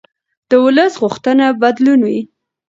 د ولس غوښتنه بدلون وي